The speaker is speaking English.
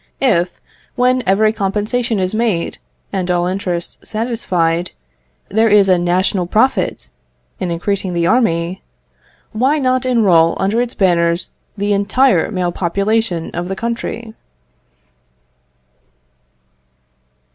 If, when every compensation is made, and all interests satisfied, there is a national profit in increasing the army, why not enrol under its banners the entire male population of the country?